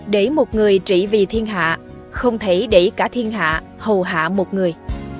để một người trị vì thiên hạ không thể để cả thiên hạ hầu hạ một người